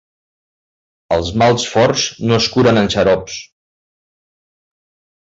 Els mals forts no es curen amb xarops.